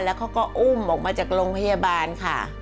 แล้วเขาก็อุ้มออกมาจากโรงพยาบาลค่ะ